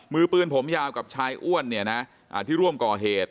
มือปืนผมยาวกับชายอ้วนเนี่ยนะที่ร่วมก่อเหตุ